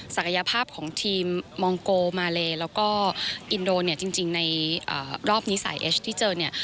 ยภาพของทีมมองโกมาเลแล้วก็อินโดเนี่ยจริงในรอบนี้สายเอสที่เจอเนี่ย